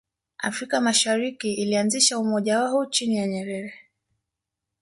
afrika mashariki ilianzisha umoja wao chini ya nyerere